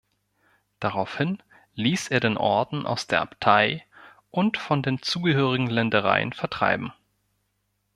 Daraufhin ließ er den Orden aus der Abtei und von den zugehörigen Ländereien vertreiben.